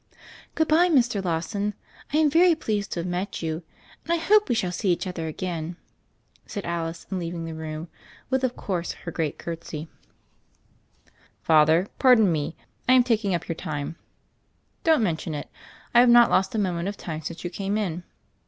"Good bye, Mr. Lawson, I am very pleased to have met you, and I hope we shall see each other again," said Alice in leaving the room with, of course, her great curtsy. 2o6 THE FAIRY OF THE SNOWS "Father, pardon me: I am taking up your time I" "Don't mention it: I have not lost a moment of time since you came in."